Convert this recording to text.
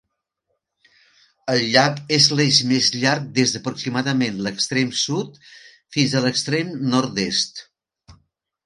El llac és l'eix més llarg des d'aproximadament l'extrem sud fins a l'extrem nord-est.